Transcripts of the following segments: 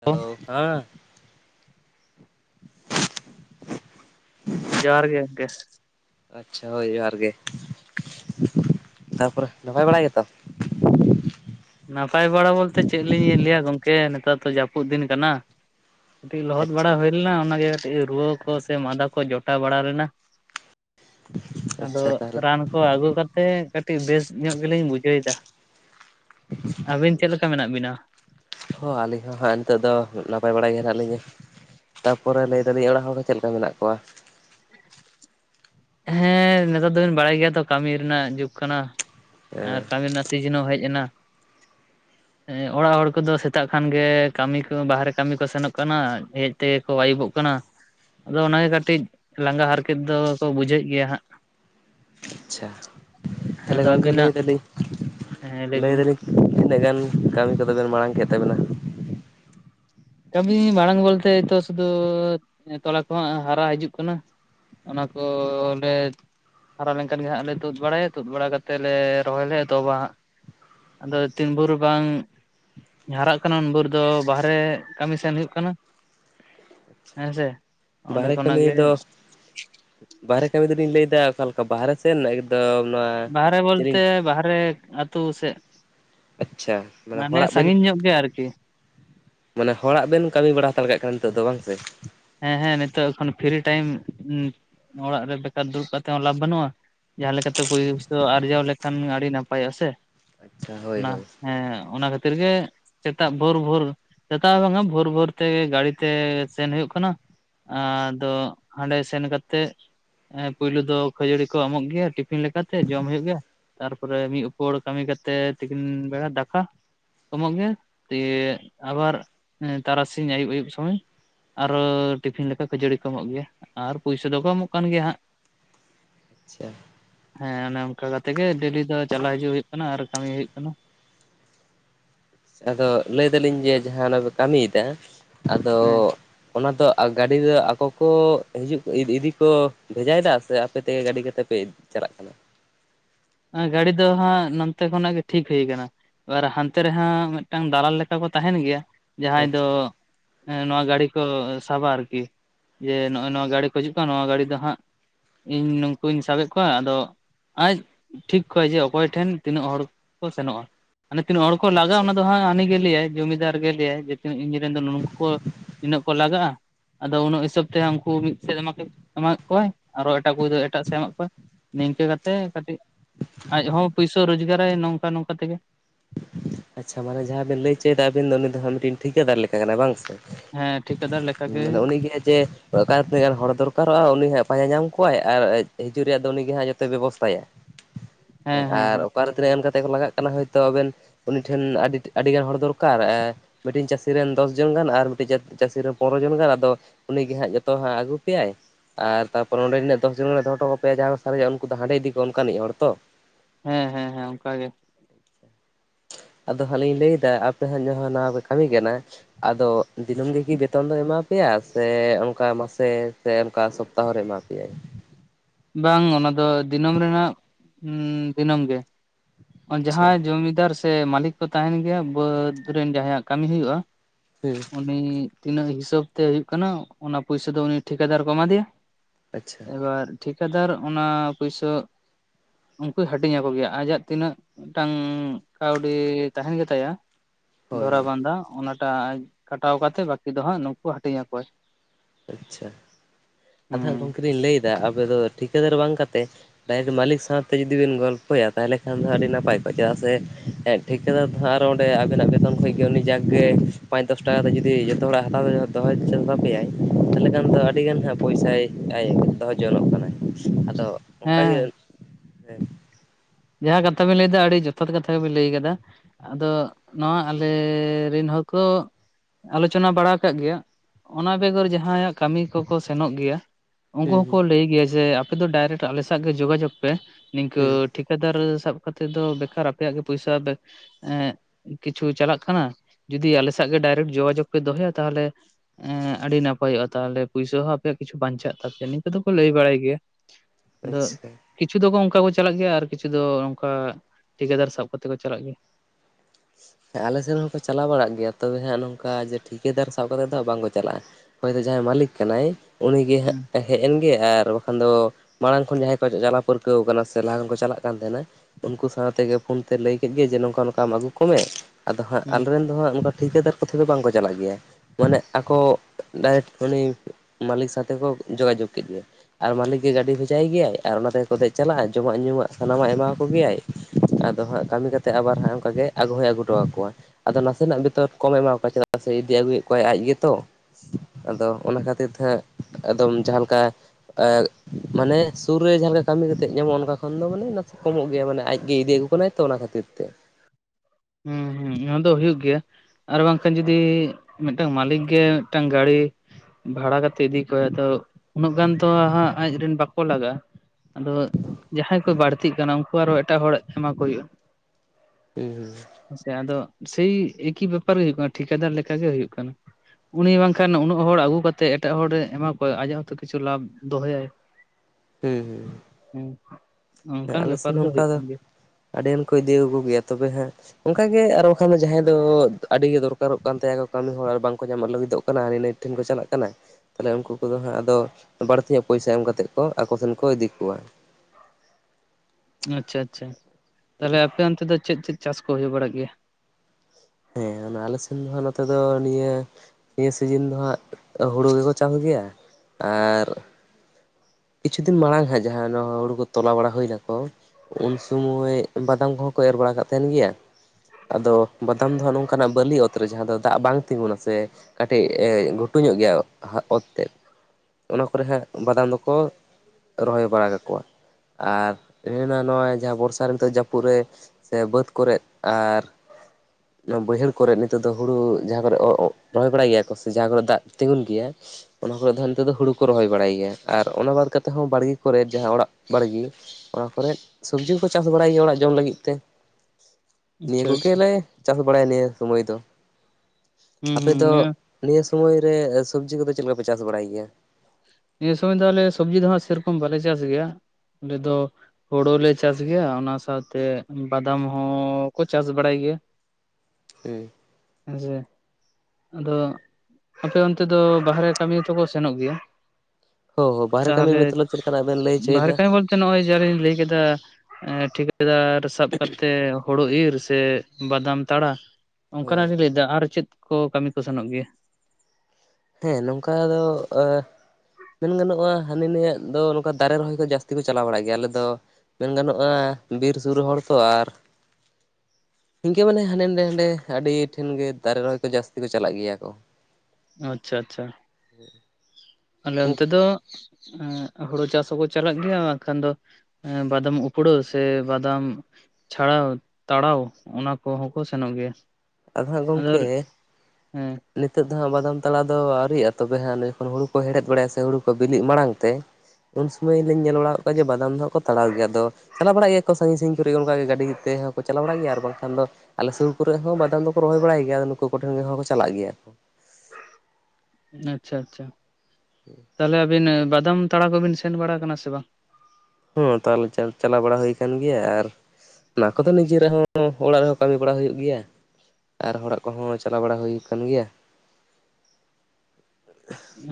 ᱦᱟᱹᱳ ᱟ ᱾ ᱡᱚᱦᱟᱨ ᱜᱮ ᱠᱮ ᱟᱪᱷᱟ ᱦᱳᱭ ᱡᱚᱦᱟᱨ ᱜᱮ ᱛᱟᱯᱚᱨᱮ ᱱᱟᱯᱟᱭ ᱵᱟᱲᱟᱭ ᱜᱮᱛᱚ? ᱱᱟᱯᱟᱭ ᱵᱟᱲᱟ ᱵᱚᱞᱛᱮ ᱪᱮᱫ ᱞᱤᱧ ᱞᱮᱭᱟ ᱜᱚᱝᱠᱮ ᱱᱮᱛᱟᱨ ᱫᱚ ᱡᱟᱯᱩᱫ ᱫᱤᱱ ᱠᱟᱱᱟ ᱾ ᱠᱟᱴᱤᱡ ᱞᱚᱦᱚᱫ ᱵᱟᱲᱟ ᱟᱪᱪᱷᱟ ᱦᱩᱭ ᱞᱮᱱᱟ ᱚᱱᱟᱜᱮ ᱠᱟᱴᱤᱡ ᱨᱩᱣᱟᱹ ᱠᱚ ᱥᱮ ᱢᱟᱫᱟ ᱠᱚ ᱡᱚᱴᱟᱣ ᱵᱟᱲᱟ ᱞᱮᱱᱟ ᱾ ᱟᱫᱚ ᱟᱪᱪᱷᱟ ᱛᱟᱦᱚᱞᱮ ᱨᱟᱱ ᱠᱚ ᱟᱹᱜᱩ ᱠᱟᱛᱮᱫ ᱠᱟᱹᱴᱤᱡ ᱵᱮᱥ ᱧᱚᱜ ᱜᱮᱞᱤᱧ ᱵᱩᱡᱷᱟᱹᱣᱮᱫᱟ ᱾ ᱟᱹᱵᱤᱱ ᱪᱮᱫ ᱞᱮᱠᱟ ᱢᱮᱱᱟᱜ ᱵᱤᱱᱟ? ᱦᱚᱸ ᱟᱹᱞᱤᱧ ᱦᱚᱸ ᱦᱟᱸᱜ ᱱᱤᱛᱚᱜ ᱫᱚ ᱱᱟᱯᱟᱭ ᱵᱟᱲ ᱜᱮ ᱦᱮᱱᱟᱜ ᱞᱤᱧᱟᱹ ᱾ ᱛᱟᱯᱚᱨᱮ ᱞᱟᱹᱭ ᱫᱟᱞᱤᱧ ᱚᱲᱟᱜ ᱦᱚᱲ ᱪᱮᱫ ᱞᱮᱠᱟ ᱢᱮᱱᱟᱜ ᱠᱚᱣᱟ? ᱦᱮᱸ ᱱᱮᱛᱟᱨ ᱫᱚᱵᱤᱱ ᱵᱟᱲᱟᱭ ᱜᱮᱭᱟ ᱛᱚ ᱠᱟᱹᱢᱤ ᱨᱮᱱᱟᱜ ᱡᱩᱜ ᱠᱟᱱᱟ ᱦᱮᱸ ᱟᱨ ᱠᱟᱹᱢᱤ ᱨᱮᱱᱟᱜ ᱥᱤᱡᱤᱱ ᱦᱚ ᱦᱮᱡ ᱮᱱᱟ ᱾ [unintelligible] ᱦᱮᱸ ᱚᱲᱟᱜ ᱦᱚᱲ ᱠᱚᱫᱚ ᱥᱮᱛᱟᱜ ᱠᱷᱟᱱ ᱜᱮ ᱠᱟᱹᱢᱤ ᱠᱚ ᱵᱟᱦᱨᱮ ᱠᱟᱹᱢᱤ ᱠᱚ ᱥᱮᱱᱚᱜ ᱠᱟᱱᱟ ᱦᱮᱡ ᱛᱮᱜᱮ ᱠᱚ ᱟᱹᱭᱩᱵᱚᱜ ᱠᱟᱱᱟ ᱟᱫᱚ ᱚᱱᱟᱜᱮ ᱠᱟᱹᱴᱤᱡ ᱞᱟᱸᱜᱟ ᱦᱟᱨᱠᱮᱛ ᱫᱚ ᱠᱚ ᱵᱩᱡᱷᱟᱹᱣᱮᱫ ᱜᱮᱭᱟ ᱦᱟᱸᱜ᱾ ᱛᱟᱞᱦᱮ ᱟᱫᱚ ᱜᱚᱝᱠᱮ ᱞᱟᱹᱭ ᱟᱹᱵᱤᱱᱟᱜ ᱫᱟᱞᱤᱧ, ᱦᱮᱸ ᱞᱟᱹᱭ ᱵᱤᱱ ᱫᱟᱞᱤᱧ ᱛᱤᱱᱟᱹᱜ ᱜᱟᱱ ᱠᱟᱹᱢᱤ ᱠᱚᱫᱚᱵᱮᱱ ᱢᱟᱲᱟᱝ ᱠᱮᱫ ᱛᱟᱵᱮᱱᱟ? ᱠᱟᱹᱢᱤ ᱢᱟᱲᱟᱝ ᱵᱚᱞᱛᱮ ᱛᱚ ᱥᱩᱫᱩ ᱛᱚᱞᱟ ᱠᱚᱦᱚᱸ ᱦᱟᱨᱟ ᱦᱤᱡᱩᱜ ᱠᱟᱱᱟ᱾ ᱚᱱᱟ ᱠᱚ ᱞᱮ ᱦᱟᱨᱟ ᱞᱮᱱᱠᱷᱟᱱ ᱜᱮ ᱦᱟᱸᱜ ᱞᱮ ᱛᱩᱫ ᱵᱟᱲᱟᱭᱟ, ᱛᱩᱫ ᱵᱟᱲᱟ ᱠᱟᱛᱮ ᱞᱮ ᱨᱚᱦᱚᱭ ᱞᱮ ᱮᱛᱚᱦᱚᱵᱟ ᱦᱟᱸᱜ᱾ ᱟᱫᱚ ᱛᱤᱱ ᱵᱷᱩᱨ ᱵᱟᱝ ᱦᱟᱨᱟᱜ ᱠᱟᱱᱟ ᱩᱱ ᱵᱷᱩᱨ ᱫᱚ ᱵᱟᱦᱨᱮ ᱠᱟᱹᱢᱤ ᱥᱮᱱ ᱦᱩᱭᱩᱜ ᱠᱟᱱᱟ, ᱦᱮᱸ ᱥᱮ᱾ ᱚᱸᱰᱮ ᱵᱟᱦᱨᱮ ᱠᱷᱚᱱᱟᱜ ᱠᱟᱹᱢᱤ ᱜᱮ ᱫᱚ, ᱵᱟᱦᱨᱮ ᱠᱟᱹᱢᱤ ᱫᱚᱞᱤᱧ ᱞᱟᱹᱭᱫᱟ ᱚᱠᱟ ᱞᱮᱠᱟ ᱵᱟᱦᱨᱮ ᱥᱮᱱ ᱮᱠᱫᱚᱢ ᱱᱚᱣᱟ ᱵᱟᱦᱨᱮ ᱪᱮᱞᱤᱧ ᱵᱚᱞᱛᱮ ᱵᱟᱦᱨᱮ ᱟᱹᱛᱩ ᱥᱮᱫ᱾ ᱟᱪᱪᱷᱟ ᱢᱟᱱᱮ ᱦᱚᱲᱟᱜ ᱵᱮᱱ ᱥᱟᱺᱜᱤᱧ ᱧᱚᱜ ᱜᱮ ᱟᱨᱠᱤ᱾ ᱢᱟᱱᱮ ᱦᱚᱲᱟᱜ ᱵᱮᱱ ᱠᱟᱹᱢᱤ ᱵᱟᱲᱟ ᱦᱟᱛᱟᱲ ᱠᱟᱜ ᱠᱟᱱᱟ ᱱᱤᱛᱚᱜ ᱫᱚ ᱵᱟᱝ ᱥᱮ᱾ ᱦᱮᱸ ᱦᱮᱸ ᱱᱤᱛᱚᱜ ᱮᱠᱷᱚᱱ ᱯᱷᱤᱨᱤ ᱴᱟᱭᱤᱢ ᱩᱸ ᱚᱲᱟᱜ ᱨᱮ ᱵᱮᱠᱟᱨ ᱫᱩᱲᱩᱵ ᱠᱟᱛᱮ ᱦᱚᱸ ᱞᱟᱵᱷ ᱵᱟᱹᱱᱩᱜᱼᱟ᱾ ᱡᱟᱦᱟᱹ ᱞᱮᱠᱟᱛᱮ ᱯᱩᱭᱥᱟᱹ ᱟᱨᱡᱟᱣ ᱞᱮᱠᱷᱟᱱ ᱟᱹᱰᱤ ᱱᱟᱯᱟᱭᱚᱜᱼᱟ ᱥᱮ, ᱟᱪᱪᱷᱟ ᱦᱳᱭ ᱚᱱᱟ ᱦᱳᱭ ᱮᱸ ᱚᱱᱟ ᱠᱷᱟᱹᱛᱤᱨ ᱜᱮ ᱥᱮᱛᱟᱜ ᱵᱷᱳᱨ ᱵᱷᱳᱨ, ᱥᱮᱛᱟᱜ ᱦᱚᱸ ᱵᱟᱝᱟ ᱵᱷᱳᱨ ᱵᱷᱳᱨ ᱛᱮᱜᱮ ᱜᱟᱹᱲᱤᱛᱮ ᱥᱮᱱ ᱦᱩᱭᱩᱜ ᱠᱟᱱᱟ ᱟ ᱟᱫᱚ ᱦᱟᱸᱰᱮ ᱥᱮᱱ ᱠᱟᱛᱮᱫ ᱮᱸ ᱯᱳᱭᱞᱳ ᱫᱚ ᱠᱷᱟᱹᱡᱟᱹᱲᱤ ᱠᱚ ᱮᱢᱚᱜ ᱜᱮᱭᱟ ᱴᱤᱯᱷᱤᱱ ᱞᱮᱠᱟᱛᱮ ᱡᱚᱢ ᱦᱩᱭᱩᱜ ᱜᱮᱭᱟ, ᱛᱟᱨᱯᱚᱨᱮ ᱢᱤᱫ ᱩᱯᱚᱲ ᱠᱟᱹᱢᱤ ᱠᱟᱛᱮᱫ ᱛᱤᱠᱤᱱ ᱵᱮᱲᱟ ᱫᱟᱠᱟ᱾ ᱠᱚ ᱮᱢᱚᱜ ᱜᱮᱭᱟ, ᱫᱤᱭᱮ ᱟᱵᱟᱨ ᱮᱸ ᱛᱟᱨᱟᱥᱤᱧ ᱟᱹᱭᱩᱵ ᱟ. ᱭᱩᱵ ᱥᱚᱢᱚᱭ ᱟᱨᱚ ᱴᱤᱯᱷᱤᱱ ᱞᱮᱠᱟ ᱠᱷᱟᱹᱡᱟᱹᱲᱤ ᱠᱚᱢᱚᱜ ᱜᱮᱭᱟ ᱟᱨ ᱯᱩᱭᱥᱟᱹ ᱫᱚᱠᱚ ᱠᱚᱢᱚᱜ ᱠᱟᱱ ᱜᱮᱭᱟ ᱦᱟᱸᱜ᱾ ᱟᱪᱪᱷᱟ᱾ ᱦᱮᱸ ᱚᱱᱮ ᱚᱱᱠᱟ ᱠᱟᱛᱮ ᱜᱮ ᱰᱮᱞᱤ ᱫᱚ ᱪᱟᱞᱟᱣ ᱦᱤᱡᱩᱜ ᱦᱩᱭᱩᱜ ᱠᱟᱱᱟ ᱟᱨ ᱠᱟᱹᱢᱤ ᱦᱩᱭᱩᱜ ᱠᱟᱱᱟ᱾ ᱟᱫᱚ ᱞᱟᱹᱭ ᱫᱟᱞᱤᱧ ᱡᱮ ᱡᱟᱦᱟᱸ ᱚᱱᱟ ᱯᱮ ᱠᱟᱹᱢᱤᱭᱮᱫᱟ ᱟᱫᱚ ᱦᱮᱸ ᱚᱱᱟ ᱫᱚ ᱟ ᱜᱟᱹᱰᱤ ᱫᱚ ᱟᱠᱚ ᱠᱚ ᱦᱤᱡᱩᱜ ᱤᱫ ᱤᱫᱤ ᱠᱚ ᱵᱷᱮᱡᱟᱭᱮᱫᱟ ᱥᱮ ᱟᱯᱮ ᱛᱮᱜᱮ ᱜᱟᱹᱰᱤ ᱠᱟᱛᱮ ᱯᱮ ᱪᱟᱞᱟᱜ ᱠᱟᱱᱟ᱾ ᱮᱸ ᱜᱟᱹᱲᱤ ᱫᱚ ᱦᱟᱸᱜ ᱱᱚᱱᱛᱮ ᱠᱷᱚᱱᱟᱜ ᱜᱮ ᱴᱷᱤᱠ ᱦᱩᱭ ᱟᱠᱟᱱᱟ᱾ ᱟᱨ ᱦᱟᱱᱛᱮ ᱨᱮ ᱦᱟᱸᱜ ᱢᱤᱫᱴᱟᱝ ᱫᱟᱞᱟᱞ ᱞᱮᱠᱟ ᱠᱚ ᱛᱟᱦᱮᱱ ᱜᱮᱭᱟ ᱡᱟᱦᱟᱸᱭ ᱫᱚ ᱟᱪᱪᱷᱟ ᱮᱸ ᱱᱚᱣᱟ ᱜᱟᱲᱤ ᱠᱚ ᱥᱟᱵ-ᱟ ᱟᱨᱠᱤ᱾ ᱡᱮ ᱱᱚᱜ-ᱚᱭ ᱱᱚᱣᱟ ᱜᱟᱲᱤ ᱠᱚ ᱦᱤᱡᱩᱜ ᱠᱟᱱᱟ ᱱᱚᱣᱟ ᱜᱟᱲᱤ ᱫᱚ ᱦᱟᱸᱜ ᱤᱧ ᱱᱩᱝᱠᱩᱧ ᱥᱟᱵᱮᱫ ᱠᱚᱣᱟ ᱟᱫᱚ, ᱟᱡ ᱴᱷᱤᱠ ᱠᱚᱣᱟᱭ ᱡᱮ ᱚᱠᱚᱭ ᱴᱷᱮᱱ ᱛᱤᱱᱟᱹᱜ ᱦᱚᱲ ᱠᱚ ᱥᱮᱱᱚᱜᱼᱟ᱾ ᱢᱟᱱᱮ ᱛᱤᱱᱟᱹᱜ ᱦᱚᱲ ᱠᱚ ᱞᱟᱜᱼᱟ ᱟᱪᱪᱷᱟ ᱚᱱᱟ ᱫᱚ ᱦᱟᱸᱜ ᱦᱟᱱᱤ ᱜᱮ ᱞᱟ. ᱭᱟᱭ ᱡᱚᱢᱤᱫᱟᱨ ᱟᱨ ᱜᱮ ᱞᱟ. ᱭᱟᱭ ᱤᱧ ᱨᱮᱱ ᱫᱚ ᱱᱩᱠᱩ ᱠᱚ ᱛᱤᱱᱟᱹᱜ ᱠᱚ ᱞᱟᱜᱟᱜᱼᱟ, ᱟᱫᱚ ᱩᱱᱟᱹᱜ ᱦᱤᱥᱟᱹᱵ ᱛᱮ ᱩᱱᱠᱩ ᱢᱤᱫ ᱥᱮᱫ ᱚᱱᱟᱛᱮ ᱮᱢᱟᱫ ᱠᱚᱣᱟᱭ᱾ ᱟᱨᱚ ᱮᱴᱟᱜ ᱠᱩᱲᱤ ᱫᱚ ᱮᱴᱟᱜ ᱥᱮ ᱮᱢᱟᱜ ᱠᱚᱣᱟ ᱱᱤᱝᱠᱟᱹ ᱠᱟᱛᱮᱫ ᱠᱟᱹᱴᱤᱡ ᱟᱡ ᱦᱚᱸ ᱯᱩᱭᱥ ᱥᱚ ᱨᱳᱡᱜᱟᱨᱟᱭ ᱱᱚᱝᱠᱟ ᱱᱚᱝᱠᱟ ᱛᱮᱜᱮ᱾ ᱟᱪᱪᱷᱟ ᱢᱟᱱᱮ ᱡᱟᱦᱟᱸᱭ ᱵᱤᱱ ᱞᱟᱹᱭᱪᱚᱭᱮᱫᱟ ᱟᱹᱵᱤᱱ ᱫᱚ ᱩᱱᱤ ᱫᱚ ᱦᱟᱸᱜ ᱢᱤᱫᱴᱤᱱ ᱴᱷᱤᱠᱟᱹᱫᱟᱨ ᱞᱮᱠᱟ ᱠᱟᱱᱟᱭ ᱵᱟᱝ ᱥᱮ? ᱦᱮᱸ ᱴᱷᱤᱠᱟᱹᱫᱟᱨ ᱞᱮᱠᱟᱜᱮ ᱢᱟᱱᱮ ᱩᱱᱤᱜᱮ ᱡᱮ ᱚᱠᱟ ᱨᱮ ᱛᱤᱱᱟᱹᱜ ᱜᱟᱱ ᱦᱚᱲ ᱫᱚ ᱫᱨᱠᱟᱨᱚᱜᱼᱟ ᱩᱱᱤ ᱦᱟᱸᱜ ᱯᱟᱡᱟ ᱧᱟᱢ ᱠᱚᱣᱟᱭ ᱟᱨ ᱦᱤᱡᱩᱜ ᱨᱮᱭᱟᱜ ᱫᱚ ᱩᱱᱤ ᱜᱮ ᱦᱟᱸᱜ ᱡᱚᱛᱚᱭ ᱵᱮᱵᱚᱥᱛᱷᱟᱭᱟ? ᱦᱮᱸ ᱟᱨ ᱚᱠᱟ ᱨᱮ ᱛᱤᱱᱟᱹᱜ ᱮᱢ ᱠᱟᱛᱮ ᱠᱚ ᱞᱟᱜᱟᱜ ᱠᱟᱱᱟ ᱦᱳᱭ ᱛᱚ ᱟᱵᱮᱱ᱾ ᱩᱱᱤ ᱴᱷᱮᱱ ᱟᱹᱰᱤ ᱛᱮ ᱟᱹᱰᱤ ᱜᱟᱱ ᱦᱚᱲ ᱫᱚᱨᱠᱟᱹᱨ ᱮ ᱢᱤᱫ ᱴᱤᱱ ᱪᱟᱹᱥᱤ ᱨᱮᱱ ᱫᱚᱥ ᱡᱚᱱ ᱜᱟᱱ ᱟᱨ ᱢᱤᱫ ᱴᱤᱱ ᱪᱟᱹᱥᱤ ᱨᱮᱱ ᱯᱚᱱᱨᱚ ᱡᱚᱱ ᱜᱟᱱ ᱟᱫᱚ ᱩᱱᱤ ᱜᱮ ᱦᱟᱸᱜ ᱡᱚᱛᱚ ᱦᱟᱸᱜ ᱟᱹᱜᱩ ᱯᱮᱭᱟᱭ, ᱟᱨ ᱛᱟᱯᱚᱨ ᱱᱚᱸᱰᱮ ᱱᱤᱱᱟᱹᱜ ᱫᱚᱥ ᱡᱚᱱ ᱜᱟᱱ ᱮ ᱫᱚᱦᱚ ᱦᱚᱴᱚ ᱠᱟᱯᱮᱭᱟᱭ ᱟᱨ ᱡᱟᱦᱟ ᱠᱚ ᱥᱟᱨᱮᱡᱚᱜᱼᱟ ᱩᱱᱠᱩ ᱫᱚ ᱦᱟᱸᱰᱮ ᱤᱫᱤ ᱠᱚᱣᱟᱭ ᱚᱱᱠᱟ ᱱᱤᱡ ᱦᱚᱲ ᱛᱚ? ᱦᱮᱸ ᱦᱮᱸ ᱦᱮᱸ ᱚᱱᱠᱟ ᱜᱮ᱾ ᱟᱫᱚ ᱦᱟᱸᱜ ᱞᱤᱧ ᱞᱟᱹᱭ ᱫᱟ ᱟᱯᱮ ᱦᱟᱸᱜ ᱡᱟᱦᱟᱸᱜ ᱱᱟᱣᱟ ᱯᱮ ᱠᱟᱹᱢᱤ ᱠᱟᱱᱟ, ᱟᱫᱚ ᱫᱤᱱᱟᱹᱢ ᱜᱮᱠᱤ ᱵᱮᱛᱚᱱ ᱫᱚ ᱮᱢᱟ ᱯᱮᱭᱟ ᱥᱮ ᱚᱱᱠᱟ ᱢᱟᱥᱮ ᱥᱮ ᱚᱱᱠᱟ ᱥᱚᱯᱛᱟᱦᱚ ᱨᱮ ᱮᱢᱟ ᱯᱮᱭᱟᱭ? ᱵᱟᱝ ᱚᱱᱟ ᱫᱚ ᱫᱤᱱᱟᱹᱢ ᱨᱮᱱᱟᱜ ᱫᱤᱱᱟᱹᱢ ᱜᱮ᱾ ᱟᱪᱪᱷᱟ ᱡᱟᱸᱦᱟᱭ ᱡᱚᱢᱤᱫᱟᱨ ᱥᱮ ᱢᱟᱹᱞᱤᱠ ᱠᱚ ᱛᱟᱦᱮᱸᱱ ᱜᱮᱭᱟ ᱵᱟᱹᱫᱽ ᱨᱤᱱ ᱡᱟᱸᱦᱟᱭ ᱟᱜ ᱠᱟᱹᱢᱤ ᱦᱩᱭᱩᱜᱼᱟ, ᱦᱩᱸ᱾ ᱩᱱᱤ ᱛᱤᱱᱟᱹᱜ ᱦᱤᱥᱟᱹᱵ ᱛᱮ ᱦᱳᱭᱳᱜ ᱠᱟᱱᱟ ᱚᱱᱟ ᱯᱚᱭᱥᱟ ᱫᱚ ᱩᱱᱤ ᱴᱷᱤᱠᱟᱹᱫᱟᱨ ᱠᱚ ᱮᱢᱟ ᱫᱮᱭᱟ, ᱟᱪᱪᱷᱟ ᱮᱵᱟᱨ ᱴᱷᱤᱠᱟᱹᱫᱟᱨ ᱚᱱᱟ ᱯᱩᱭᱥᱟᱹ ᱩᱱᱠᱩᱭ ᱦᱟᱹᱴᱤᱧ ᱟᱠᱚ ᱜᱮᱭᱟ ᱟᱡᱟᱜ ᱛᱤᱱᱟᱹᱜ ᱢᱤᱫ ᱴᱟᱝ ᱠᱟᱹᱣᱰᱤ ᱛᱟᱦᱮᱸᱱ ᱜᱮ ᱛᱟᱭᱟ, ᱦᱳᱭ ᱫᱷᱚᱨᱟ ᱦᱳᱭ ᱵᱟᱸᱫᱟ ᱚᱱᱟ ᱴᱟᱜ ᱠᱟᱴᱟᱣ ᱠᱟᱛᱮᱜ ᱵᱟᱹᱠᱤ ᱫᱚ ᱦᱟᱸᱜ ᱱᱩᱠᱩ ᱦᱟᱹᱴᱤᱧ ᱟᱠᱚᱣᱟᱭ᱾ ᱟᱪᱪᱷᱟ ᱟᱫᱚ ᱦᱟᱸᱜ ᱦᱩᱸ ᱜᱚᱝᱠᱮ ᱞᱤᱧ ᱞᱟᱹᱭ ᱫᱟ ᱟᱯᱮ ᱫᱚ ᱴᱷᱤᱠᱟᱹ ᱫᱟᱨ ᱵᱟᱝ ᱠᱟᱛᱮ ᱰᱟᱭᱨᱮᱰ ᱢᱟᱹᱞᱤᱠ ᱥᱟᱶ ᱛᱮ ᱡᱩᱫᱤ ᱵᱤᱱ ᱜᱚᱞᱯᱷᱚᱭᱟ ᱛᱟᱦᱞᱮ ᱠᱷᱟᱱ ᱫᱚ ᱟᱹᱰᱤ ᱱᱟᱯᱟᱭ ᱠᱚᱜᱼᱟ ᱪᱮᱫᱟᱜ ᱥᱮ ᱮᱸᱫ ᱴᱷᱤᱠᱫᱟᱹᱨ ᱫᱚ ᱟᱨᱚ ᱦᱟᱸᱜ ᱚᱸᱰᱮ ᱟᱵᱮᱱᱟᱜ ᱵᱮᱛᱚᱱ ᱠᱷᱚᱡ ᱜᱮ ᱩᱱᱤ ᱡᱟᱠᱜᱮ ᱯᱟᱸᱪ ᱫᱚᱥ ᱴᱟᱠᱟ ᱛᱮ ᱡᱩᱫᱤ ᱡᱚᱛᱚ ᱦᱚᱲᱟᱜ ᱦᱟᱛᱟᱣ [unintelligible] ᱫᱚᱦᱚ [unintelligible] ᱮᱢᱟ ᱞᱮᱭᱟ ᱛᱟᱦᱞᱮ ᱠᱷᱟᱱ ᱫᱚ ᱟᱹᱰᱤ ᱜᱟᱱ ᱦᱟᱸᱜ ᱯᱩᱭᱥᱟᱹᱭ ᱟᱡ ᱫᱚᱦᱚ ᱡᱚᱱᱚᱜ ᱠᱟᱱᱟᱭ᱾ ᱟᱫᱚ ᱚᱱᱠᱟ ᱦᱮᱸ ᱜᱮ ᱡᱟᱦᱟᱸ ᱠᱟᱛᱷᱟ ᱵᱤᱱ ᱞᱟᱹᱭ ᱫᱟ ᱟᱹᱰᱤ ᱡᱚᱛᱷᱟᱛ ᱠᱟᱛᱷᱟ ᱜᱮ ᱵᱤᱱ ᱞᱟᱹᱭ ᱠᱟᱫᱟ, ᱟᱫᱚ ᱱᱚᱣᱟ ᱟᱞᱮ ᱨᱮᱱ ᱦᱚᱠᱚ ᱟᱞᱳᱪᱚᱱᱟ ᱵᱟᱲᱟ ᱠᱟᱜ ᱜᱮᱭᱟ, ᱚᱱᱟ ᱵᱮᱜᱚᱨ ᱡᱟᱸᱦᱟᱭᱟᱜ ᱠᱟᱹᱢᱤ ᱠᱚᱠᱚ ᱥᱮᱱᱚᱜ ᱜᱮᱭᱟ ᱩᱱᱠᱩ ᱦᱩᱸ ᱦᱩᱸ ᱦᱚᱸᱠᱚ ᱞᱟᱹᱭ ᱜᱮᱭᱟ ᱡᱮ ᱟᱯᱮ ᱫᱚ ᱰᱟᱭᱨᱮᱠᱴ ᱟᱞᱮ ᱥᱮᱫ ᱜᱮ ᱡᱳᱜᱟ ᱡᱳᱜᱽ ᱯᱮ ᱱᱤᱝᱠᱟᱹ ᱦᱩᱸ ᱴᱷᱤᱠᱫᱟᱹᱨ ᱥᱟᱵ ᱠᱟᱛᱮᱫ ᱫᱚ ᱵᱮᱠᱟᱨ ᱟᱯᱮᱭ ᱟᱜ ᱜᱮ ᱯᱩᱭᱥᱟᱹ ᱵᱮ ᱮᱸᱜ ᱠᱤᱪᱷᱩ ᱪᱟᱞᱟᱜ ᱠᱟᱱᱟ ᱡᱩᱫᱤ ᱟᱞᱮ ᱥᱟᱜ ᱜᱮ ᱰᱟᱭᱨᱮᱠᱴ ᱡᱳᱜᱟ ᱡᱳᱜ ᱯᱮ ᱫᱚᱦᱚᱭᱟ ᱛᱟᱦᱟᱞᱮ ᱮᱸᱜ ᱟᱹᱰᱤ ᱱᱟᱯᱟᱭ ᱚᱸᱜᱼᱟ ᱛᱟᱦᱞᱮ ᱯᱩᱭᱥᱟᱹ ᱦᱚᱸ ᱟᱯᱮᱭ ᱟᱜ ᱠᱤᱷᱩ ᱵᱟᱧᱪᱟᱜ ᱛᱟᱯᱮᱭᱟ ᱱᱤᱝᱠᱟᱹ ᱫᱚᱠᱚ ᱞᱟᱹᱭ ᱵᱟᱲᱟᱭ ᱜᱮᱭᱟ᱾ [inaudible] ᱟᱫᱚ ᱠᱤᱪᱷᱩ ᱫᱚᱠᱚ ᱚᱱᱠᱟ ᱠᱚ ᱪᱟᱞᱟᱜ ᱜᱮᱭᱟ ᱟᱨ ᱠᱤᱪᱷᱩ ᱫᱚ ᱱᱚᱝᱠᱟ ᱴᱷᱤᱠᱫᱟᱹᱨ ᱥᱟᱵ ᱠᱟᱛᱮ ᱠᱚ ᱪᱟᱞᱟᱜ ᱜᱮᱭᱟ᱾ ᱟᱞᱮ ᱥᱮᱫ ᱦᱚᱸᱠᱚ ᱪᱟᱞᱟᱣ ᱵᱟᱲᱟᱜ ᱜᱮᱭᱟ ᱛᱚᱵᱮ ᱦᱟᱸᱜ ᱱᱚᱝᱠᱟ ᱡᱮ ᱴᱷᱤᱠᱟᱹᱫᱟᱨ ᱥᱟᱵ ᱠᱟᱛᱮᱫ ᱫᱚ ᱵᱟᱝ ᱠᱚ ᱪᱟᱞᱟᱜᱼᱟ᱾ ᱦᱳᱭ ᱛᱚ ᱡᱟᱸᱦᱟᱭ ᱢᱟᱹᱞᱤᱠ ᱠᱟᱱᱟᱭ ᱩᱱᱤ ᱜᱮ ᱦᱟᱸᱜ ᱦᱩᱸ ᱮ ᱦᱮᱡ ᱮᱱ ᱜᱮ ᱟᱨ ᱵᱟᱠᱷᱟᱱ ᱫᱚ ᱢᱟᱲᱟᱝ ᱠᱷᱚᱱ ᱡᱟᱸᱦᱟᱭ ᱠᱚ ᱪᱟᱞᱟᱣ ᱯᱟᱹᱨᱠᱟᱹᱣ ᱠᱟᱱᱟ ᱥᱮ ᱞᱟᱦᱟ ᱠᱷᱚᱱ ᱠᱚ ᱪᱟᱞᱟᱜ ᱠᱟᱱ ᱛᱟᱦᱮᱸᱱᱟ ᱩᱱᱠᱩ ᱥᱟᱶ ᱛᱮᱜᱮ ᱯᱷᱳᱱ ᱛᱮ ᱞᱟᱹᱭ ᱠᱮᱫ ᱜᱮ ᱡᱮ ᱱᱚᱝᱠᱟ ᱱᱚᱝᱠᱟ ᱟᱢ ᱟᱹᱜᱩ ᱠᱚᱢᱮ ᱟᱫᱚ ᱦᱟᱸᱜ ᱦᱩᱸ ᱟᱞᱮ ᱨᱮᱱ ᱫᱚ ᱦᱟᱸᱜ ᱚᱱᱠᱟ ᱴᱷᱤᱠᱟᱹᱫᱟᱨ ᱠᱚ ᱛᱷᱮ ᱫᱚ ᱵᱟᱝ ᱠᱚ ᱪᱟᱞᱟᱜ ᱜᱮᱭᱟ ᱢᱟᱱᱮ ᱟᱠᱚ ᱰᱟᱭᱨᱮᱴ ᱩᱱᱤ ᱢᱟᱞᱹᱤᱠ ᱥᱟᱣᱛᱮ ᱠᱚ ᱡᱳᱜᱟ ᱡᱳᱜᱽ ᱠᱮᱫ ᱜᱮ᱾ ᱟᱨ ᱢᱟᱞᱹᱤᱠ ᱜᱮ ᱜᱟᱹᱰᱤ ᱵᱷᱮᱡᱟᱭ ᱜᱮᱭᱟᱭ ᱟᱨ ᱚᱱᱟ ᱛᱮ ᱠᱚ ᱫᱮᱡ ᱪᱟᱞᱟᱜᱼᱟ ᱡᱚᱢᱟᱜ ᱧᱩᱣᱟᱜ ᱥᱟᱱᱟᱢ ᱟᱜ ᱮᱢᱟ ᱠᱚ ᱜᱮᱭᱟᱭ ᱟᱫᱚ ᱦᱟᱸᱜ ᱠᱟᱹᱢᱤ ᱠᱟᱛᱮᱫ ᱟᱵᱟᱨ ᱦᱟᱸᱜ ᱚᱱᱠᱟ ᱜᱮ ᱟᱹᱜᱩ ᱦᱚᱸᱭ ᱟᱹᱜᱩ ᱦᱚᱴᱚ ᱟᱠᱚᱣᱟ ᱟᱫᱚ ᱱᱟᱥᱮ ᱱᱟᱜ ᱵᱮᱛᱚᱱ ᱠᱚᱢᱮ ᱮᱢᱟ ᱠᱚᱣᱟ ᱪᱮᱫᱟᱜ ᱥᱮ ᱤᱫᱤ ᱟᱹᱜᱩᱭᱮᱫ ᱠᱚᱣᱟᱭ ᱟᱡ ᱜᱮᱛᱚ, ᱟᱫᱚ ᱚᱱᱟ ᱠᱷᱟᱹᱛᱤᱨ ᱛᱮ ᱦᱟᱸᱜ ᱟᱫᱚᱢ ᱡᱟᱦᱟᱸ ᱞᱮᱠᱟ ᱮᱸᱫ ᱢᱟᱱᱮ ᱥᱩᱨ ᱨᱮ ᱡᱟᱦᱟᱸ ᱞᱮᱠᱟ ᱠᱟᱹᱢᱤ ᱠᱟᱛᱮᱫ ᱧᱟᱢᱚᱜᱼᱟ ᱚᱱᱠᱟ ᱛᱚᱠᱷᱚᱱ ᱫᱚ ᱢᱟᱱᱮ ᱱᱟᱥᱮ ᱠᱚᱢᱚᱜ ᱜᱮᱭᱟ ᱢᱟᱱᱮ ᱟᱡ ᱜᱮᱭ ᱤᱫᱤ ᱟᱹᱜᱩ ᱠᱟᱱᱟᱭ ᱛᱚ ᱚᱱᱟ ᱠᱷᱟᱹᱛᱤᱨ ᱛᱮ᱾ ᱦᱩᱸ ᱦᱩᱸ ᱚᱱᱟ ᱫᱚ ᱦᱩᱭᱩᱜ ᱜᱮᱭᱟ᱾ ᱟᱨ ᱵᱟᱝ ᱠᱷᱟᱱ ᱡᱩᱫᱤ ᱢᱤᱫ ᱴᱟᱝ ᱢᱟᱞᱹᱤᱠ ᱜᱮ ᱢᱤᱫ ᱴᱟᱝ ᱜᱟᱹᱲᱤ ᱵᱷᱟᱲᱟ ᱠᱟᱛᱮ ᱤᱫᱤ ᱠᱚᱣᱟᱭ ᱛᱚ ᱩᱱᱟᱹᱜ ᱜᱟᱱ ᱛᱚ ᱦᱟᱸᱜ ᱟᱡ ᱨᱮᱱ ᱵᱟᱠᱚ ᱞᱟᱜᱟᱜᱼᱟ, ᱟᱫᱚ ᱡᱟᱸᱦᱟᱭ ᱠᱚ ᱵᱟᱹᱲᱛᱤᱜ ᱠᱟᱱᱟ ᱩᱱᱠᱩ ᱟᱨᱦᱚᱸ ᱮᱴᱟᱜ ᱦᱚᱲ ᱮᱢᱟ ᱠᱚ ᱦᱩᱭᱩᱜᱼᱟ᱾ ᱦᱩᱸ [inaudible] ᱥᱮ ᱟᱫᱚ ᱥᱮᱭ ᱮᱠᱤ ᱵᱮᱯᱟᱨ ᱦᱩᱭᱩᱜ ᱠᱟᱱᱟ ᱴᱷᱤᱠᱟᱹᱫᱟᱨ ᱞᱮᱠᱟ ᱜᱮ ᱦᱩᱭᱩᱜ ᱠᱟᱱᱟ᱾ ᱩᱱᱤ ᱵᱟᱝᱠᱷᱟᱱ ᱩᱱᱟᱹᱜ ᱦᱚᱲ ᱟᱹᱜᱩ ᱠᱟᱛᱮᱫ ᱮᱴᱟᱜ ᱦᱚᱲᱮ ᱮᱢᱟ ᱠᱚᱣᱟᱭ ᱟᱡᱭᱟᱜ ᱦᱚᱸᱛᱚ ᱠᱤᱪᱷᱩ ᱞᱟᱵᱷ ᱫᱚᱦᱚᱭᱟᱭ, [inaudible] ᱦᱮᱸ ᱦᱮᱸ ᱦᱮᱸ ᱚᱱᱠᱟᱱ [unintelligible] ᱵᱮᱯᱟᱨ ᱫᱚ ᱦᱩᱭᱩᱜ ᱠᱟᱱ ᱜᱮᱭᱟ ᱟᱹᱰᱤ ᱜᱟᱱ ᱠᱚ ᱤᱫᱤ ᱠᱚ ᱜᱮᱭᱟ ᱛᱚᱵᱮ ᱦᱮᱸ, ᱚᱱᱠᱟᱜ ᱜᱮ ᱟᱨ ᱵᱟᱝᱠᱷᱟᱱ ᱫᱚ ᱡᱟᱦᱟᱸᱭ ᱫᱚ ᱟᱹᱰᱤᱜ ᱫᱚᱨᱠᱟᱨᱚᱜ ᱠᱟᱱ ᱛᱟᱭᱟᱠᱚ ᱠᱟᱹᱢᱤ ᱦᱚᱲ ᱟᱨ ᱵᱟᱝᱠᱚ ᱧᱟᱢᱚᱜ ᱞᱟᱹᱜᱤᱫᱚᱜ ᱠᱟᱱᱟ ᱱᱱᱟᱹ ᱴᱷᱮᱱ ᱠᱚ ᱪᱟᱞᱟᱜ ᱠᱟᱱᱟ, ᱛᱟᱦᱚᱞᱮ ᱩᱱᱠᱩ ᱠᱚᱫᱚ ᱦᱟᱸᱜ ᱟᱫᱚ ᱵᱟᱹᱲᱛᱤ ᱧᱚᱜ ᱯᱚᱭᱥᱟ ᱮᱢ ᱠᱟᱛᱮᱫ ᱠᱚ ᱟᱠᱚ ᱥᱮᱱ ᱠᱚ ᱤᱫᱤ ᱠᱚᱣᱟ᱾ ᱟᱪᱪᱷᱟ ᱟᱪᱪᱷᱟ, ᱛᱟᱦᱚᱞᱮ ᱟᱯᱮ ᱚᱱᱛᱮ ᱫᱚ ᱪᱮᱫ ᱪᱮᱫ ᱪᱟᱥ ᱠᱚ ᱦᱩᱭᱩᱜ ᱵᱟᱲᱟᱜ ᱜᱮᱭᱟ? ᱦᱮᱸ ᱟᱞᱮ ᱥᱮᱱ ᱫᱚ ᱱᱚᱛᱮ ᱫᱚ ᱱᱤᱭᱟᱹ ᱱᱤᱭᱟᱹ ᱥᱤᱡᱤᱱ ᱫᱚ ᱦᱟᱸᱜ ᱦᱩᱲᱩ ᱜᱮᱠᱚ ᱪᱟᱥ ᱜᱮᱭᱟ, ᱟᱨ ᱠᱤᱪᱷᱩ ᱫᱤᱱ ᱢᱟᱲᱟᱝ ᱦᱟᱸᱜ ᱡᱟᱦᱟᱸ ᱱᱚᱣᱟ ᱦᱩᱲᱩ ᱠᱚ ᱛᱚᱞᱟ ᱵᱟᱲᱟ ᱦᱩᱭ ᱱᱟ ᱠᱚ, ᱩᱱᱥᱩᱢᱚᱭ ᱵᱟᱫᱟᱢ ᱠᱚᱦᱚᱸ ᱠᱚ ᱮᱨ ᱵᱟᱲᱟ ᱠᱟᱜ ᱛᱟᱦᱮᱱ ᱜᱮᱭᱟ? ᱟᱫᱚ ᱵᱟᱫᱟᱢ ᱫᱚᱦᱟᱸᱜ ᱱᱚᱝᱠᱟᱱᱟᱜ ᱵᱟᱹᱞᱤ ᱚᱛ ᱨᱮ ᱡᱟᱦᱟᱸ ᱫᱚ ᱫᱟᱜ ᱵᱟᱝ ᱛᱤᱸᱜᱩᱱᱟ ᱥᱮ, ᱠᱟᱹᱴᱤᱡ ᱜᱷᱩᱴᱩᱧᱚᱜ ᱜᱮᱭᱟ ᱚᱛ ᱛᱮ ᱚᱱᱟ ᱠᱚᱨᱮ ᱦᱟᱸᱜ ᱵᱟᱫᱟᱢ ᱫᱚ, ᱠᱚ [inaudible] ᱨᱚᱦᱚᱭ ᱵᱟᱲᱟ ᱠᱟᱠᱚᱣᱟ ᱟᱨ ᱱᱚᱜᱼᱚᱭ ᱡᱟᱦᱟᱸ ᱵᱚᱨᱥᱟ ᱱᱤᱛᱚᱜ ᱡᱟᱹᱯᱩᱫ ᱨᱮ, ᱥᱮ ᱵᱟᱹᱫ ᱠᱚᱨᱜ ᱟᱨ, ᱵᱟᱹᱭᱦᱟᱹᱲ ᱠᱚᱨᱜ ᱱᱤᱛᱚᱜ ᱫᱚ ᱦᱩᱲᱩ ᱡᱟᱦᱟᱸ ᱠᱚᱨᱮᱜ ᱨᱚᱦᱚᱭ ᱵᱟᱲᱟᱭ ᱜᱮᱭᱟ ᱠᱚ ᱥᱮ ᱡᱟᱦᱟᱸ ᱠᱚᱨᱮᱫ ᱫᱟᱜ ᱛᱤᱸᱜᱩᱱ ᱜᱮᱭᱟ ᱚᱱᱟ ᱠᱚᱨᱮ ᱫᱚ ᱱᱤᱛᱚᱜ ᱫᱚ ᱦᱩᱲᱩ ᱠᱚ ᱨᱚᱦᱚᱭ ᱵᱟᱲᱟᱭ ᱜᱮᱭᱟ᱾ ᱟᱨ ᱚᱱᱟ ᱵᱟᱫᱽ ᱠᱟᱛᱮ ᱦᱚᱸ ᱵᱟᱲᱜᱮ ᱠᱚᱨᱮ ᱡᱟᱦᱟᱸ ᱚᱲᱟᱜ ᱵᱟᱲᱜᱮ, ᱚᱱᱟ ᱠᱚᱨᱮᱫ ᱥᱚᱵᱽᱡᱤ ᱠᱚᱠᱚ ᱪᱟᱥ ᱵᱟᱲᱟᱭᱟ ᱚᱲᱟᱜ ᱡᱚᱢ ᱞᱟᱹᱜᱤᱫ ᱛᱮ᱾ ᱱᱤᱭᱟᱹ ᱟᱪᱪᱷᱟ ᱟᱪᱪᱷᱟ ᱠᱚᱜᱮᱞᱮ ᱪᱟᱥ ᱵᱟᱲᱟᱭᱟ ᱱᱤᱭᱟᱹ ᱥᱚᱢᱚᱭ ᱫᱚ ᱦᱩᱸ [inaudible] ᱟᱯᱮ ᱦᱩᱸ ᱫᱚ, ᱱᱤᱭᱟᱹ ᱱᱤᱭᱟᱹ ᱥᱚᱢᱚᱭ ᱨᱮ ᱥᱚᱵᱡᱤ ᱠᱚᱫᱚ ᱪᱮᱫ ᱞᱮᱠᱟᱯᱮ ᱪᱟᱥ ᱵᱟᱲᱟᱭ ᱜᱮᱭᱟ? ᱱᱤᱭᱟᱹ ᱥᱚᱢᱚᱭ ᱫᱚ ᱟᱞᱮ ᱥᱚᱵᱡᱤ ᱫᱚ ᱦᱟᱜ ᱥᱮᱨᱚᱠᱚᱢ ᱵᱟᱞᱮ ᱪᱟᱥ ᱜᱮᱭᱟ, ᱟᱞᱮ ᱫᱚ ᱦᱩᱲᱩ ᱞᱮ ᱪᱟᱥ ᱜᱮᱭᱟ ᱚᱱᱟ ᱥᱟᱶᱛᱮ ᱵᱟᱫᱟᱢ ᱦᱚᱸᱠᱚ ᱪᱟᱥ ᱵᱟᱲᱟᱭ ᱜᱮᱭᱟ, ᱦᱮᱸ [inaudible] ᱚᱡᱮ [unintelligible] ᱟᱫᱚ ᱟᱯᱮ ᱚᱱᱛᱮ ᱫᱚ ᱵᱟᱦᱚᱨᱮ ᱠᱟᱹᱢᱤ ᱛᱚᱠᱚ ᱥᱮᱱᱚᱜ ᱜᱮᱭᱟ? ᱦᱳ ᱦᱳ ᱵᱟᱦᱚᱨᱮ ᱠᱟᱹᱢᱤ ᱛᱟᱦᱚᱞᱮ ᱢᱚᱛᱞᱚᱵ ᱪᱮᱫ ᱞᱮᱠᱟᱱᱟᱜ ᱵᱮᱱ ᱞᱟᱹᱭ ᱵᱟᱦᱨᱮ ᱦᱚᱪᱚᱭᱮᱫᱟ? ᱠᱟᱹᱢᱤ ᱵᱚᱞᱛᱮ ᱱᱚᱜᱼᱚᱭ ᱡᱚᱨᱮᱧ ᱞᱟᱹᱭ ᱠᱮᱫᱟ ᱴᱷᱤᱠᱟᱹᱫᱟᱨ, ᱥᱟᱵ ᱠᱟᱛᱮᱜ ᱦᱳᱲᱳ ᱤᱨ ᱥᱮ ᱵᱟᱫᱟᱢ ᱛᱟᱲᱟ, ᱚᱱᱠᱟᱱᱟᱜ ᱦᱳᱭ ᱞᱤᱧ ᱞᱟᱹᱭᱮᱫᱟ ᱟᱨ ᱪᱮᱫ ᱠᱚ ᱠᱟᱹᱢᱤ ᱠᱚ ᱥᱮᱱᱚᱜ ᱜᱮᱭᱟ? ᱦᱮᱸ ᱱᱚᱝᱠᱟ ᱫᱚ ᱟ ᱢᱮᱱ ᱜᱟᱱᱚᱜᱼᱟ ᱦᱟᱹᱱᱤ ᱱᱤᱭᱭᱟᱜ ᱫᱚ ᱱᱚᱝᱠᱟ ᱫᱟᱨᱮ ᱨᱚᱦᱚᱭ ᱠᱚ ᱡᱟᱹᱥᱛᱤ ᱠᱚ ᱪᱟᱞᱟᱣ ᱵᱟᱲᱟᱜ ᱜᱮᱭᱟ, ᱟᱞᱮ ᱫᱚ ᱢᱮᱱ ᱜᱟᱱᱚᱜᱼᱟ, ᱵᱤᱨ ᱥᱩᱨ ᱦᱚᱲ ᱛᱚ, ᱟᱨ ᱤᱱᱠᱟᱹ ᱢᱟᱱᱮ ᱦᱟᱸᱰᱮ ᱱᱟᱰᱮ ᱦᱟᱸᱰᱮ ᱟᱹᱰᱤ ᱴᱷᱮᱱ ᱜᱮ ᱫᱟᱨᱮ ᱨᱚᱦᱚᱭ ᱠᱚ ᱡᱟᱹᱥᱛᱤ ᱠᱚ ᱪᱟᱞᱟᱜ ᱜᱮᱭᱟ ᱠᱚ᱾ ᱟᱪᱪᱷᱟ ᱟᱪᱪᱷᱟ [unintelligible] ᱟᱞᱮ ᱚᱱᱛᱮ ᱫᱚ, ᱮ ᱦᱩᱲᱩ ᱪᱟᱥ ᱦᱚᱸᱠᱚ ᱪᱟᱞᱟᱜ ᱜᱮᱭᱟ, ᱵᱟᱠᱷᱟᱱ ᱫᱚ ᱵᱟᱫᱟᱢ ᱩᱯᱲᱟᱹᱣ, ᱥᱮ ᱵᱟᱫᱟᱢ ᱪᱷᱟᱲᱟᱣ ᱛᱟᱲᱟᱣ ᱚᱱᱟ ᱠᱚᱦᱚᱸ ᱠᱚ ᱥᱮᱱᱚᱜ ᱜᱮᱭᱟ᱾ ᱟᱫᱚ ᱦᱟᱸᱜ ᱜᱚᱝᱠᱮ ᱦᱮᱸ [unintelligible] ᱱᱤᱛᱚᱜ ᱫᱚ ᱦᱟᱸᱜ ᱵᱟᱫᱟᱢ ᱛᱟᱲᱟᱣ ᱫᱚ ᱟᱹᱣᱤᱭᱜᱼᱟ ᱛᱚᱵᱮ ᱦᱟᱸᱜ ᱡᱚᱠᱷᱚᱱ ᱦᱳᱲᱩ ᱠᱚ ᱦᱮᱲᱦᱮᱫ ᱵᱟᱲᱟᱭᱟ ᱥᱮ ᱦᱩᱲᱩ ᱠᱚ ᱵᱤᱞᱤᱜ ᱢᱟᱲᱟᱝ ᱛᱮ, ᱩᱱ ᱥᱩᱢᱟᱹᱭ ᱞᱧ ᱧᱮᱞ ᱵᱟᱲᱟ ᱟᱠᱟ ᱠᱚᱣᱟᱮ ᱵᱟᱫᱟᱢ ᱫᱚ ᱦᱟᱸᱜ ᱠᱚ ᱛᱟᱲᱟᱣ ᱜᱮᱭᱟ ᱟᱫᱚ, ᱪᱟᱞᱟᱣ ᱵᱟᱲᱟᱜ ᱜᱮᱭᱟ ᱠᱚ ᱥᱟᱺᱜᱤᱧᱤᱧ ᱠᱚᱨᱮ ᱜᱮ ᱚᱱᱠᱟᱜᱮ ᱜᱟᱹᱰᱤ ᱛᱮᱦᱚᱸ ᱠᱚ ᱪᱟᱞᱟᱣ ᱵᱟᱲ ᱜᱮᱭᱟ, ᱵᱟᱝᱠᱷᱟᱱ ᱫᱚ ᱟᱞᱮ ᱥᱩᱨᱩᱨᱩ ᱠᱚᱨᱮ ᱦᱚᱸ ᱪᱮᱛᱟᱱ ᱫᱚᱠᱚ ᱨᱚᱦᱚᱭ ᱵᱟᱲᱟᱭ ᱜᱮᱭᱟᱫᱚ ᱱᱩᱠᱩ ᱠᱚᱴᱷᱮᱱ ᱜᱮ ᱦᱚᱲᱠᱚ ᱪᱟᱞᱟᱜ ᱜᱮᱭᱟ, ᱠᱚ ᱟᱪᱷᱟ ᱟᱪᱷᱟ᱾ [inaudible] ᱛᱟᱦᱚᱞᱮ ᱟᱵᱤᱱ ᱵᱟᱫᱟᱢ ᱛᱟᱲᱟᱣ ᱠᱚᱵᱤᱱ ᱥᱮᱱ ᱵᱟᱲᱟ ᱟᱠᱟᱱᱟ ᱥᱮ ᱵᱟᱝ? ᱦᱚ ᱦᱚᱭ ᱛᱟᱦᱚᱞᱮ ᱪᱟᱞᱟᱣ ᱵᱟᱲᱟ ᱦᱩᱭ ᱟᱠᱟᱱ ᱜᱮᱭᱟ ᱟᱨ᱾ ᱚᱱᱟ ᱠᱚᱫᱚ ᱱᱤᱡᱮ ᱨᱮᱦᱚᱸ ᱚᱲᱟᱜ ᱨᱮᱦᱚᱸ ᱠᱟᱹᱢᱤ ᱵᱟᱲᱟ ᱦᱩᱭᱩᱜ ᱜᱮᱭᱟ᱾ ᱟᱨ ᱦᱚᱲᱟᱜ ᱠᱚᱦᱚᱸ ᱪᱟᱞᱟᱣ ᱵᱟᱲᱟ ᱦᱩᱭ ᱟᱠᱟᱱ ᱜᱮᱭᱟ᱾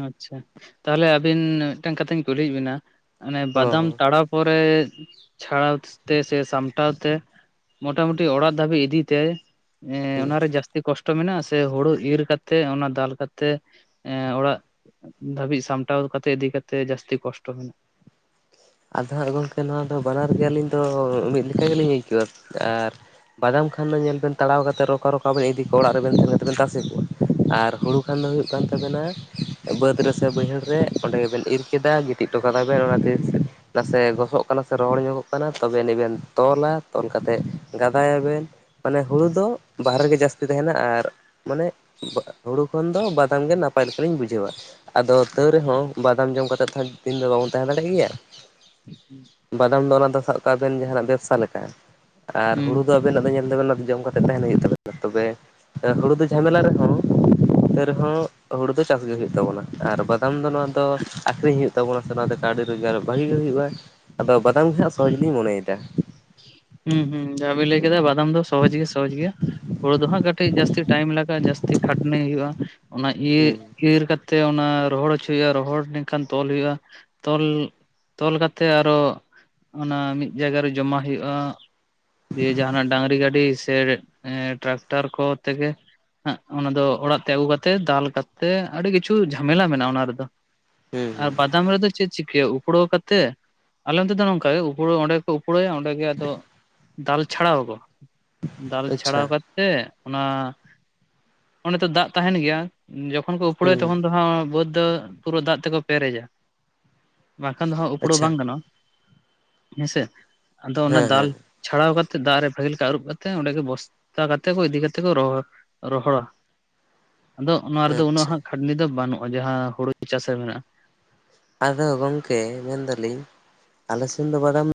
ᱟᱪᱷᱟ ᱛᱟᱦᱚᱞᱮ ᱟᱵᱤᱱ ᱢᱤᱫᱴᱟᱝ ᱠᱟᱛᱷᱟᱧ ᱠᱩᱞᱤᱭᱮᱫ ᱵᱤᱱᱟ ᱚᱱᱮ ᱦᱚᱸ ᱵᱟᱫᱟᱢ ᱦᱚᱸ ᱛᱟᱲᱟᱣᱼᱼ ᱯᱚᱨᱮ ᱪᱷᱟᱲᱟᱣ ᱛᱮ ᱥᱮ ᱥᱟᱢᱴᱟᱣ ᱛᱮ ᱢᱚᱴᱟ ᱢᱩᱴᱤ ᱚᱲᱟᱜ ᱫᱷᱟᱹᱵᱤᱡ ᱤᱫᱤ ᱛᱮ ᱮᱸ ᱚᱱᱟ ᱨᱮ ᱡᱟᱹᱥᱛᱤ ᱠᱚᱥᱴᱚ ᱢᱮᱱᱟᱜᱼᱟ ᱥᱮ ᱦᱩᱲᱩ ᱤᱨ ᱠᱟᱛᱮᱜ ᱚᱱᱟ ᱫᱟᱞ ᱠᱟᱛᱮᱜ ᱮᱸ ᱚᱲᱟᱜ ᱫᱷᱟᱹᱵᱤᱡ ᱥᱟᱢᱴᱟᱣ ᱠᱟᱛᱮ ᱤᱫᱤ ᱠᱟᱛᱮᱜ ᱡᱟᱹᱥᱛᱤ ᱠᱚᱥᱴᱚ ᱟᱫᱚ ᱦᱟᱸᱜ ᱜᱚᱝᱠᱮ ᱱᱚᱣᱟ ᱫᱚ ᱵᱟᱱᱟᱨ ᱜᱮ ᱟᱹᱞᱤᱧ ᱫᱚ ᱢᱤᱫ ᱞᱮᱠᱟ ᱜᱤᱞᱤᱧ ᱟᱹᱭᱠᱟᱹᱣᱠᱟᱜ ᱟᱨ ᱵᱟᱫᱟᱢ ᱠᱷᱟᱱ ᱫᱚ ᱧᱮᱞ ᱵᱮᱱ ᱛᱟᱲᱟᱣ ᱠᱟᱛᱮ ᱨᱚᱠᱟ ᱨᱚᱠᱟ ᱵᱮᱱ ᱤᱫᱤ ᱠᱚᱣᱟ ᱚᱲᱟᱜ ᱨᱮᱵᱮᱱ ᱥᱮᱱ ᱠᱟᱛᱮᱮᱫ ᱵᱮᱱ ᱛᱟᱥᱮ ᱠᱚᱣᱟ ᱟᱨ ᱦᱩᱲᱩ ᱠᱷᱟᱱ ᱫᱚ ᱦᱩᱭᱩᱜ ᱠᱟᱱ ᱛᱟᱵᱮᱱᱟ ᱵᱟᱹᱫᱽ ᱨᱮ ᱥᱮ ᱵᱟᱹᱭᱦᱟᱹᱲ ᱨᱮ ᱚᱸᱰᱮᱸ ᱜᱮᱵᱮᱱ ᱤᱨ ᱠᱮᱫᱟ ᱜᱤᱛᱤᱡ ᱦᱚᱴᱚ ᱠᱟᱫᱟ ᱵᱮᱱ ᱚᱱᱟ ᱛᱤᱥ ᱱᱟᱥᱮ ᱜᱚᱥᱚᱜ ᱠᱟᱱᱟ ᱥᱮ ᱨᱚᱦᱚᱲ ᱧᱚᱜᱚᱜ ᱠᱟᱱᱟ ᱛᱚᱵᱮ ᱟᱹᱱᱤᱡ ᱵᱮᱱ ᱛᱚᱞᱟ ᱛᱚᱞ ᱠᱟᱛᱮᱜ ᱜᱟᱫᱟᱭᱟᱵᱮᱱ᱾ ᱢᱟᱱᱮ ᱦᱩᱲᱩ ᱫᱚ ᱵᱟᱦᱨᱮ ᱨᱮᱜᱮ ᱡᱟᱹᱥᱛᱤ ᱛᱟᱦᱮᱱᱟ ᱟᱨ ᱢᱟᱱᱮ ᱦᱩᱲᱩ ᱠᱷᱚᱱ ᱫᱚ ᱵᱟᱫᱟᱢ ᱜᱮ ᱱᱟᱯᱟᱭ ᱞᱮᱠᱟᱞᱤᱧ ᱵᱩᱡᱷᱟᱹᱣᱟ᱾ ᱟᱫᱚ ᱛᱟᱹᱣ ᱨᱮᱦᱚᱸ ᱵᱟᱫᱟᱢ ᱡᱚᱢ ᱠᱟᱛᱮᱫᱽ ᱠᱷᱟᱹᱱ ᱫᱤᱱ ᱫᱚ ᱵᱟᱵᱚᱱ ᱛᱟᱦᱮᱸ ᱫᱟᱲᱮᱭᱟᱜ ᱜᱮᱭᱟ᱾ ᱵᱟᱫᱟᱢ ᱫᱚ ᱚᱱᱟ ᱫᱚ ᱥᱟᱵ ᱠᱟᱜ ᱵᱮᱱ ᱡᱟᱦᱱᱟᱜ ᱵᱮᱵᱥᱟ ᱞᱮᱠᱟ ᱟᱨ ᱦᱩᱲᱩ ᱦᱩᱸ ᱫᱚ ᱟᱵᱮᱱᱟᱜ ᱫᱚ ᱧᱮᱞ [unintelligible] ᱡᱚᱢ ᱠᱟᱛᱮ ᱛᱟᱦᱮᱱ ᱦᱩᱭᱩᱜ ᱛᱟᱵᱮᱱᱟ ᱛᱚᱵᱮ ᱦᱩᱲᱩ ᱫᱚ ᱡᱷᱟᱢᱮᱞᱟ ᱨᱮᱦᱚ--ᱸ ᱛᱮ ᱨᱮᱦᱚᱸ ᱦᱩᱲᱩ ᱫᱚ ᱪᱟᱥ ᱜᱮ ᱦᱩᱭᱩᱜ ᱛᱟᱵᱚᱱᱟ ᱟᱨ ᱵᱟᱫᱟᱢ ᱫᱚ ᱱᱚᱣᱟ ᱫᱚ ᱟᱠᱷᱨᱤᱧ ᱦᱩᱭᱩᱜ ᱛᱟᱵᱚᱱᱟ ᱥᱮ ᱚᱱᱟᱛᱮ ᱟᱹᱰᱤ ᱨᱳᱡᱽᱜᱟᱨ ᱵᱷᱟᱜᱤ ᱜᱮ ᱦᱩᱭᱩᱜᱼᱟ ᱟᱫᱚ ᱵᱟᱫᱟᱢ ᱜᱮ ᱦᱟᱸᱜ ᱥᱚᱦᱚᱡ ᱜᱮᱧ ᱢᱚᱱᱮᱭᱫᱟ᱾ ᱦᱩᱸ ᱦᱩᱸ ᱡᱟᱦᱟᱸᱵᱤᱱ ᱞᱟᱹᱭ ᱠᱮᱫᱟ ᱵᱟᱫᱟᱢ ᱫᱚ ᱥᱚᱦᱚᱡ ᱜᱮ ᱥᱚᱦᱚᱡ ᱜᱮᱭᱟ ᱦᱩᱲᱩ ᱫᱚ ᱦᱟᱸᱜ ᱠᱟᱹᱴᱤᱡ ᱡᱟᱹᱥᱛᱤ ᱴᱟᱭᱤᱢ ᱞᱟᱜᱟᱜᱼᱟ ᱡᱟᱹᱥᱛᱤ ᱠᱷᱟᱴᱱᱤ ᱦᱩᱭᱩᱜᱼᱟ ᱚᱱᱟ ᱤᱨ ᱦᱩᱸ ᱤᱨ ᱠᱟᱛ ᱛᱮ ᱚᱱᱟ ᱨᱚᱦᱚᱲ ᱦᱚᱪᱚ ᱦᱩᱭᱩᱜᱼᱟ ᱨᱚᱦᱚᱲ ᱞᱮᱱᱠᱷᱟᱱ ᱛᱚᱞ ᱦᱩᱭᱩᱜᱼᱟ ᱛᱚᱞ ᱛᱚᱞ ᱠᱟᱛᱮᱜ ᱟᱨᱚ ᱚᱱᱟ ᱢᱤᱫ ᱡᱟᱭᱜᱟ ᱨᱮ ᱡᱚᱢᱟ ᱦᱩᱭᱩᱜᱼᱟ ᱫᱤᱭᱟᱹ ᱡᱟᱦᱟᱱᱟᱜ ᱰᱟᱝᱨᱤ ᱜᱟᱹᱰᱤ ᱥᱮ ᱮᱸ ᱴᱨᱟᱠᱴᱚᱨ ᱠᱚ ᱛᱮᱜ ᱦᱟᱸᱜ ᱚᱱᱟ ᱫᱚ ᱚᱲᱟᱜ ᱛᱮ ᱟᱹᱜᱩ ᱠᱟᱛᱮᱜ ᱫᱟᱞ ᱠᱟᱛᱮᱜ ᱟᱹᱰᱤ ᱠᱤᱪᱷᱩ ᱡᱷᱟᱢᱮᱞᱟ ᱢᱮᱱᱟᱜᱼᱟ ᱚᱱᱟ ᱨᱮᱫᱚ᱾ ᱦᱩᱸ ᱟᱨ ᱦᱩᱸ ᱵᱟᱫᱟᱢ ᱨᱮᱫᱚ ᱪᱮᱫ ᱪᱤᱠᱟᱹᱳᱜ ᱩᱯᱲᱟᱹᱣ ᱠᱟᱛᱮᱫ ᱟᱞᱮ ᱚᱱᱛᱮ ᱫᱚ ᱱᱚᱝᱠᱟ ᱩᱯᱲᱣ ᱚᱸᱰᱮ ᱠᱚ ᱩᱯᱲᱟᱹᱭᱟ ᱚᱸᱰᱮ ᱜᱮ ᱟᱫᱚ ᱫᱟᱞ ᱪᱷᱟᱲᱟᱣ ᱚᱠᱚ ᱫᱟᱞ ᱟᱪᱪᱷᱟ ᱪᱷᱟᱲᱟᱣ ᱠᱟᱛ ᱛᱮᱜ ᱚᱱᱟ ᱚᱱᱮ ᱛᱚ ᱫᱟᱜ ᱛᱟᱦᱮᱱ ᱜᱮᱭᱟ ᱡᱚᱠᱷᱚᱱ ᱠᱚ ᱩᱯᱲᱟᱹᱭᱟ ᱦᱩᱸ ᱛᱚᱠᱷᱚᱱ ᱫᱚ ᱦᱚᱸ ᱵᱟᱹᱫᱽ ᱫᱚ ᱯᱩᱨᱟᱹ ᱫᱟᱜ ᱛᱮᱠᱚ ᱯᱮᱨᱮᱡᱟ᱾ ᱵᱟᱝᱠᱷᱟᱱ ᱫᱚ ᱦᱟᱸᱜ ᱩᱯᱲᱩ ᱟᱪᱪᱷᱟ ᱵᱟᱝ ᱜᱟᱱᱚᱜᱼᱟ ᱦᱮᱸᱥᱮ ᱟᱫᱚ ᱚᱱᱟ ᱦᱮᱸ ᱫᱟᱞ ᱦᱮᱸ ᱪᱷᱟᱲᱟᱣ ᱠᱟᱛᱮ ᱫᱟᱜ ᱨᱮ ᱵᱷᱟᱹᱜᱤ ᱞᱮᱠᱟ ᱟᱹᱨᱩᱯ ᱠᱟᱛᱮ ᱚᱸᱰᱮ ᱜᱮ ᱵᱚᱥᱛᱟ ᱠᱟᱛᱮ ᱠᱚ ᱤᱫᱤ ᱠᱟᱛᱮᱜ ᱠᱚ ᱨᱚᱦᱚᱲ ᱨᱚᱦᱚᱲᱟ᱾ ᱟᱫᱚ ᱱᱚᱣᱟ ᱨᱮᱫᱚ ᱩᱱᱟᱹᱜ ᱟᱪᱪᱷᱟ ᱦᱟᱸᱜ ᱠᱷᱟᱹᱴᱱᱤ ᱫᱚ ᱵᱟᱹᱱᱩᱜᱼᱟ ᱡᱟᱦᱟᱸ ᱦᱩᱲᱩ ᱪᱟᱥ ᱨᱮ ᱢᱮᱱᱟᱜᱼᱟ᱾ ᱟᱫᱚ ᱜᱚᱢᱠᱮ ᱢᱮᱱᱫᱟᱞᱤᱧ ᱟᱞᱮ ᱥᱮᱱ ᱫᱚ ᱵᱟᱰᱟᱢ